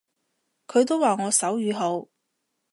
佢都話我手語好